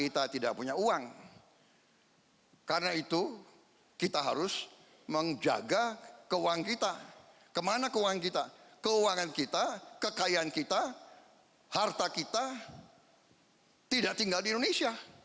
turut memiliki koalisi ket mainland